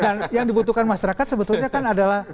dan yang dibutuhkan masyarakat sebetulnya kan adalah